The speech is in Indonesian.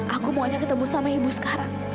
aku maunya ketemu sama ibu sekarang